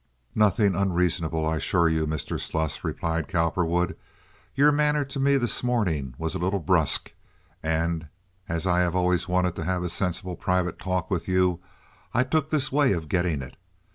"Nothing unreasonable, I assure you, Mr. Sluss," replied Cowperwood. "Your manner to me this morning was a little brusque, and, as I have always wanted to have a sensible private talk with you, I took this way of getting it.